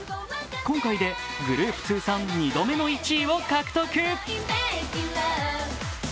今回でグループ通算２度目の１位を獲得。